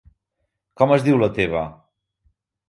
Com es diu la teva!?